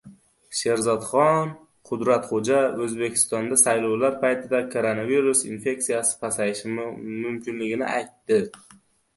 Sherzodxon Qudratxo‘ja O‘zbekistonda saylovlar paytida koronavirus infeksiyasi pasayishi mumkinligini aytdi